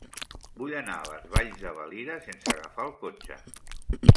Vull anar a les Valls de Valira sense agafar el cotxe.